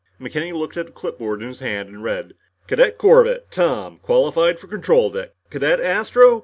McKenny looked at a clip board in his hand and read, "Cadet Corbett, Tom. Qualified for control deck. Cadet Astro.